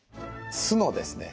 酢のですね